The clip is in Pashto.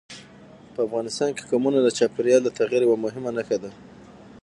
په افغانستان کې قومونه د چاپېریال د تغیر یوه مهمه نښه ده.